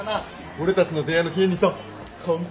俺たちの出会いの記念にさ乾杯しない？